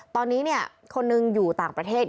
ตอนนี้คนหนึ่งอยู่ต่างประเทศ